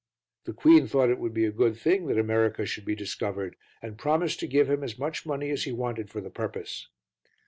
The queen thought it would be a good thing that America should be discovered and promised to give him as much money as he wanted for the purpose."